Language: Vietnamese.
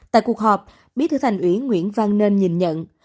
tại cuộc họp bí thư thành ủy nguyễn văn nên nhìn nhận